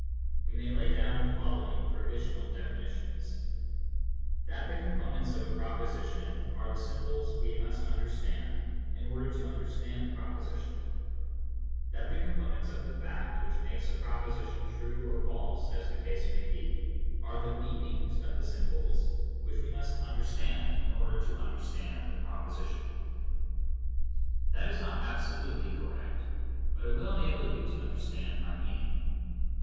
We may lay down the following provisional definitions : That the components of a proposition are the sym bols we must understand in order to understand the proposition; That the components of the fact which makes a prop osition true or false, as the case may be, are the meanings of the symbols which we must under stand in order to understand the proposition. That is not absolutely correct, but it will enable you to understand my meaning.